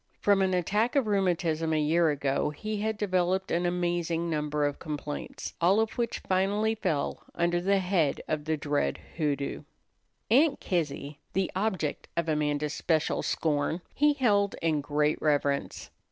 From an attack of rheumatism a year ago he had developed an amazing number of complaints, all of which finally fell under the head of the dread hoodoo. Aunt Kizzy, the object of Amanda's special scorn, he held in great reverence.